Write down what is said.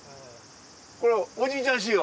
これはおじいちゃん仕様？